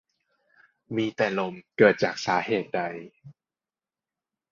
มีแต่ลม เกิดจากสาเหตุใด